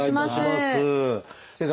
先生。